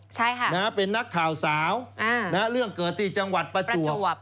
ใช่ค่ะนะฮะเป็นนักข่าวสาวนะฮะเรื่องเกิดที่จังหวัดประจวบ